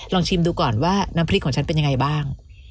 ชิมดูก่อนว่าน้ำพริกของฉันเป็นยังไงบ้าง